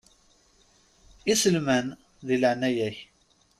Iselman, di leɛnaya-k.